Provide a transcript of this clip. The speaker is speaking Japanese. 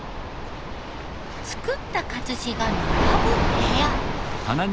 つくった活字が並ぶ部屋。